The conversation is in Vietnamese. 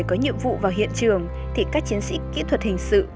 nếu người có nhiệm vụ vào hiện trường thì các chiến sĩ kỹ thuật hình sự